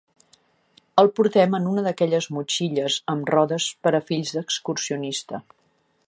El portem en una d'aquelles motxilles amb rodes per a fills d'excursionista.